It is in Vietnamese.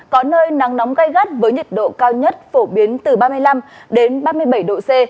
có nơi nắng nóng gai gắt với nhiệt độ cao nhất phổ biến từ ba mươi năm ba mươi bảy độ c